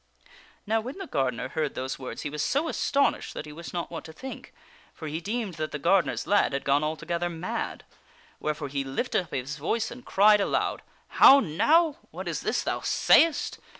Now when the gardener heard those words he was so astonished that he wist not what to think, for he deemed that the gardener's lad had gone altogether mad. Wherefore he lifted up his voice and cried aloud, " How now ! What is this thou sayest